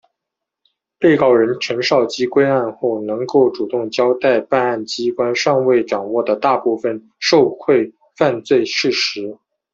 被告人陈绍基归案后能够主动交代办案机关尚未掌握的大部分受贿犯罪事实。